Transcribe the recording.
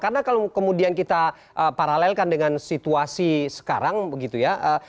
karena kalau kemudian kita paralelkan dengan situasi sekarang begitu ya